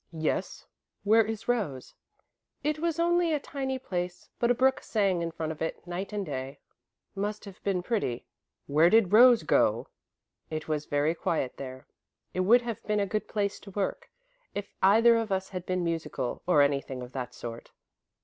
"Yes? Where is Rose?" "It was only a tiny place, but a brook sang in front of it, night and day." "Must have been pretty. Where did Rose go?" "It was very quiet there. It would have been a good place to work, if either of us had been musical, or anything of that sort."